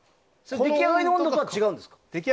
出来上がりの温度とは違うんですか？